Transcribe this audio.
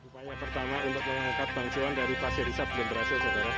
upaya pertama untuk mengangkat bang johan dari pasir hisap belum berhasil